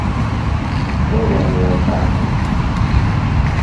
roponi eng sang